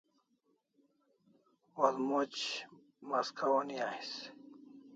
Walmoc maska oni ais